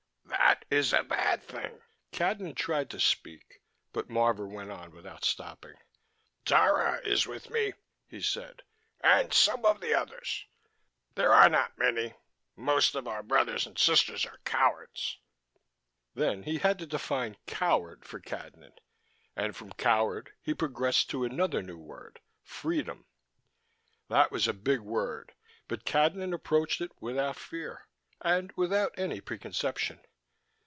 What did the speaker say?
"That is a bad thing." Cadnan tried to speak, but Marvor went on without stopping. "Dara is with me," he said, "and some of the others. There are not many. Most of the brothers and sisters are cowards." Then he had to define "coward" for Cadnan and from "coward" he progressed to another new word, "freedom." That was a big word but Cadnan approached it without fear, and without any preconception.